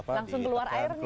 langsung keluar airnya